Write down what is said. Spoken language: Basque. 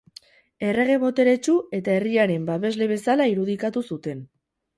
Errege boteretsu eta herriaren babesle bezala irudikatu zuten.